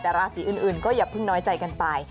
แต่ราศีอื่นก็อย่าเพิ่งน้อยใจกันไป